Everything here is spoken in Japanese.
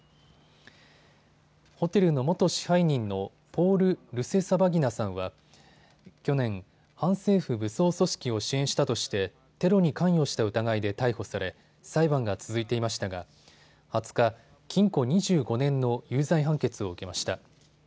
ホテルの元支配人のポール・ルセサバギナさんは去年、反政府武装組織を支援したとしてテロに関与した疑いで逮捕され裁判が続いていましたが２０日、禁錮２５年の有罪判決を受けました。